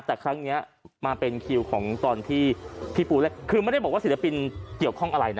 แต่ครั้งนี้มาเป็นคิวของตอนที่พี่ปูเล่นคือไม่ได้บอกว่าศิลปินเกี่ยวข้องอะไรนะ